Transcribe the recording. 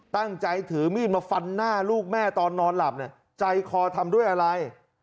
ตั้งใจถือมีดมาฟันหน้าลูกแม่ตอนนอนหลับเนี่ยใจคอทำด้วยอะไร